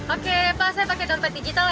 oke pak saya pakai dompet digital